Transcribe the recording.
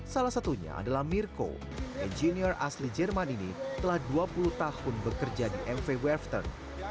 salah satunya adalah mirko engineer asli jerman ini telah dua puluh tahun bekerja di mv werton